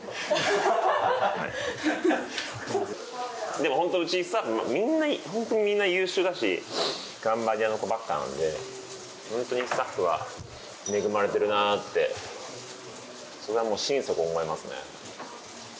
でも本当うちスタッフみんな本当にみんな優秀だし頑張り屋の子ばっかりなので本当にスタッフは恵まれているなってそれはもう心底思いますね。